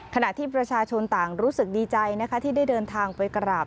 ขณะที่ประชาชนต่างรู้สึกดีใจนะคะที่ได้เดินทางไปกราบ